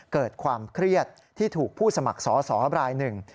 เกิดความเครียดที่ถูกผู้สมัครสอสอบรายหนึ่ง